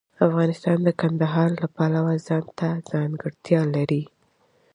افغانستان د کندهار د پلوه ځانته ځانګړتیا لري.